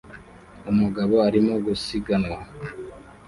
Umugabo arimo gusiganwa